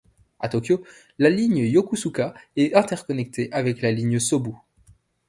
À Tokyo, la ligne Yokusuka est interconnectée avec la ligne Sōbu.